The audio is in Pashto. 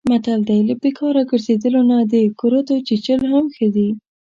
متل دی: له بیکاره ګرځېدلو نه د کورتو چیچل هم ښه دي.